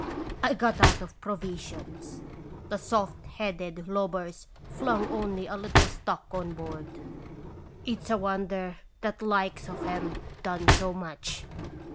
I got out of provisions; the soft headed lubbers flung only a little stock on board; it's a wonder the 1 90 Qt rations Visitation. likes of 'em done so much.